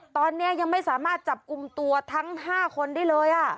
ตอนนี้ยังไม่สามารถจับกลุ่มตัวทั้ง๕คนได้เลย